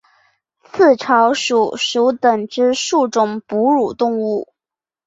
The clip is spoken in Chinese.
刺巢鼠属等之数种哺乳动物。